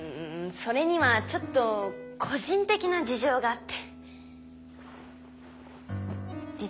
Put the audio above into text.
それにはちょっと事情があって。